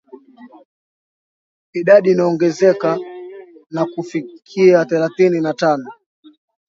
idadi iliyoongezeka na kufikia thelathini na tano